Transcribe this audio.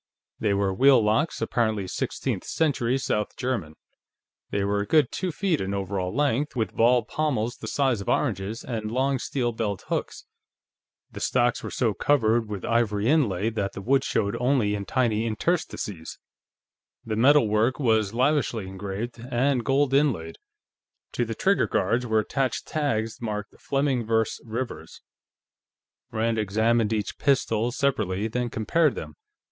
They were wheel locks, apparently sixteenth century South German; they were a good two feet in over all length, with ball pommels the size of oranges, and long steel belt hooks. The stocks were so covered with ivory inlay that the wood showed only in tiny interstices; the metal work was lavishly engraved and gold inlaid. To the trigger guards were attached tags marked Fleming vs. Rivers. Rand examined each pistol separately, then compared them.